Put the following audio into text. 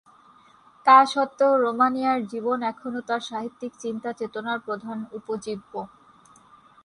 তা স্বত্ত্বেও রোমানিয়ার জীবন এখনও তার সাহিত্যিক চিন্তা-চেতনার প্রধান উপজীব্য।